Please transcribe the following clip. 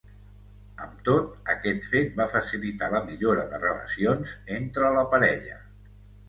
Amb tot, aquest fet va facilitar la millora de relacions entre la parella.